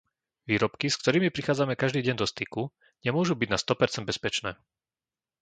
Výrobky, s ktorými prichádzame každý deň do styku, nemôžu byť na sto percent bezpečné.